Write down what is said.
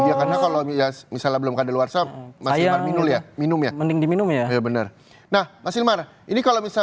ya kalau misalnya belum kadaluarsa minum ya mending diminum ya bener nah masih marah ini kalau bisa